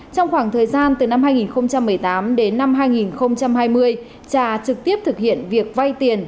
trong khoảng thời gian từ năm hai nghìn một mươi tám đến năm hai nghìn hai mươi trà trực tiếp thực hiện việc vay tiền